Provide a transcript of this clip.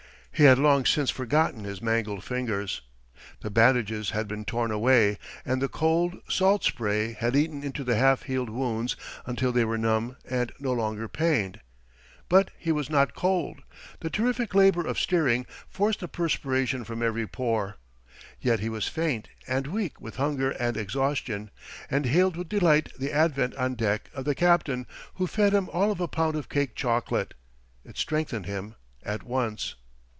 He had long since forgotten his mangled fingers. The bandages had been torn away, and the cold, salt spray had eaten into the half healed wounds until they were numb and no longer pained. But he was not cold. The terrific labor of steering forced the perspiration from every pore. Yet he was faint and weak with hunger and exhaustion, and hailed with delight the advent on deck of the captain, who fed him all of a pound of cake chocolate. It strengthened him at once.